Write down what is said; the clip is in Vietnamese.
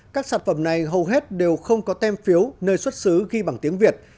các sản phẩm này hầu hết đều không có tem phiếu nơi xuất xứ ghi bằng tiếng việt